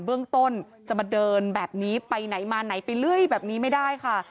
เบื้องต้นจะมาเดินแบบนี้ไปไหนมาไหนไปเรื่อยแบบนี้ไม่ได้ค่ะ